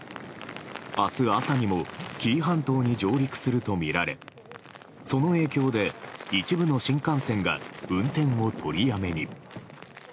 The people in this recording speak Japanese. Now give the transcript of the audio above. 明日朝にも紀伊半島に上陸するとみられその影響で、一部の新幹線が運転を取りやめに。